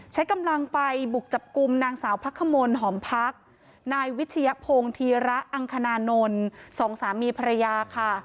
ใช้กำลังไปบุกจับกลุ่มนางสาวพักขมลหอมพักนายวิชยพงศ์ธีระอังคณานนท์สองสามีภรรยาค่ะ